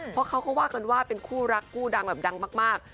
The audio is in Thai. เพราะเขาก็ว่ากันว่าเป็นคู่รักคู่ดังแบบดังมาก